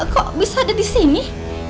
kok bisa ada di sini